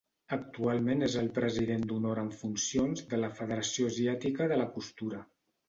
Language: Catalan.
Actualment és el president d'honor en funcions de la Federació Asiàtica de la Costura.